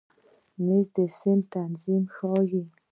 مېز د صنف نظم ښیي.